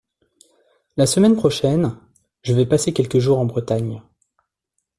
La semaine prochaine, je vais passer quelques jours en Bretagne.